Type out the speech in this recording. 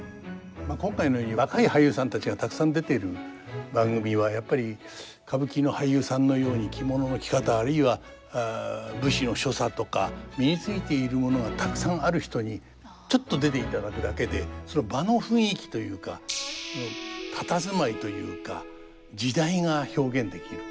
今回のように若い俳優さんたちがたくさん出ている番組はやっぱり歌舞伎の俳優さんのように着物の着方あるいは武士の所作とか身についているものがたくさんある人にちょっと出ていただくだけでその場の雰囲気というか佇まいというか時代が表現できる。